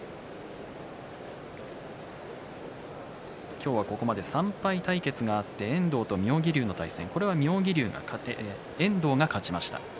今日はここまで３敗対決があって遠藤と妙義龍の対戦これは遠藤が勝ちました。